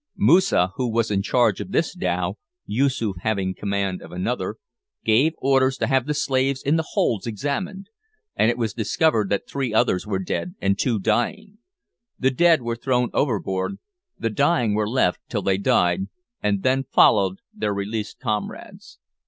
Moosa, who was in charge of this dhow (Yoosoof having command of another), gave orders to have the slaves in the hold examined, and it was discovered that three others were dead and two dying. The dead were thrown overboard; the dying were left till they died, and then followed their released comrades.